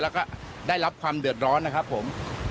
แล้วก็ได้รับความเดือดร้อนนะครับผม